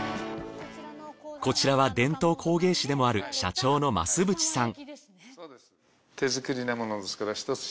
こちらは伝統工芸士でもある社長の増渕さん。